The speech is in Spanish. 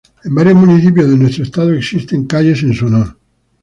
En varios municipios de nuestro Estado existen calles en su honor.